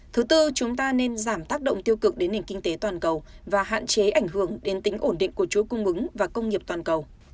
thứ tư chúng ta nên giảm tác động tiêu cực đến nền kinh tế toàn cầu và hạn chế ảnh hưởng đến tính ổn định của chuỗi cung ứng và công nghiệp toàn cầu